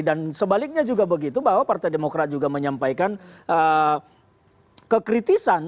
dan sebaliknya juga begitu bahwa partai demokrat juga menyampaikan kekritisan